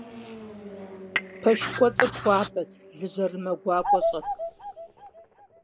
Пэш кӀуэцӀыр хуабэт, лы жьэрымэ гуакӀуэ щӀэтт.